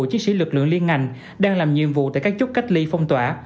chiến sĩ lực lượng liên ngành đang làm nhiệm vụ tại các chốt cách ly phong tỏa